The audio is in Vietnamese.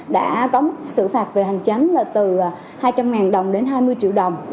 đã có sự phạt về hành chánh là từ hai trăm linh đồng đến hai mươi triệu đồng